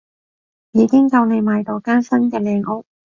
已經夠你買到間新嘅靚屋